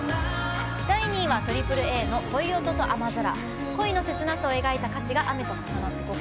第２位はＡＡＡの「恋音と雨空」。